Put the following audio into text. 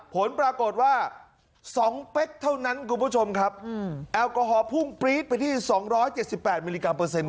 ผลปรากฏว่า๒เป๊กเท่านั้นคุณผู้ชมครับแอลกอฮอลพุ่งปรี๊ดไปที่๒๗๘มิลลิกรัเปอร์เซ็น